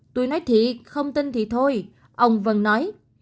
tôi nói thị không tin thì thôi ông vân nói